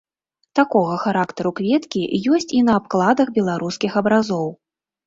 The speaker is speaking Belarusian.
Такога характару кветкі ёсць і на абкладах беларускіх абразоў.